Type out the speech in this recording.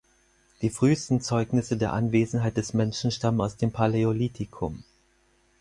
Die frühesten Zeugnisse der Anwesenheit des Menschen stammen aus dem Paläolithikum.